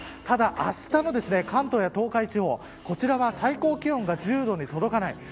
ただ、あしたの関東や東海地方こちらは最高気温が１０度に届かない。